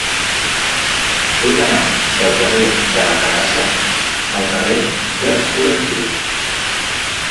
He d'anar del carrer de la Carassa al carrer de Corretger.